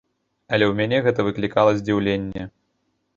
Але ў мяне гэта выклікала здзіўленне.